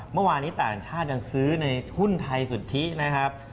เมื่อวานี้ต่างชาติยังซื้อในหุ้นไทยสุทธินะครับ